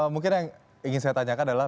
mungkin yang ingin saya tanyakan adalah